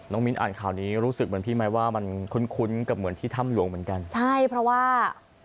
มิ้นอ่านข่าวนี้รู้สึกเหมือนพี่ไหมว่ามันคุ้นคุ้นกับเหมือนที่ถ้ำหลวงเหมือนกันใช่เพราะว่า